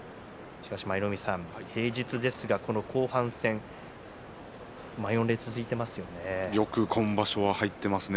しかし舞の海さん平日ですがこの後半戦満員御礼が続いていますよね。